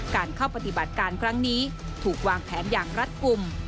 การเข้าปฏิบัติการครั้งนี้ถูกวางแผนอย่างรัฐกลุ่ม